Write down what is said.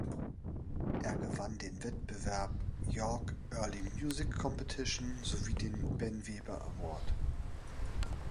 Er gewann den Wettbewerb "York Early Music Competition" sowie den "Ben Weber Award".